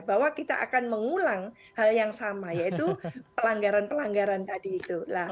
bahwa kita akan mengulang hal yang sama yaitu pelanggaran pelanggaran tadi itu